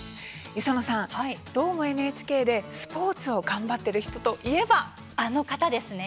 礒野さん、「どーも、ＮＨＫ」でスポーツを頑張っている人といえば？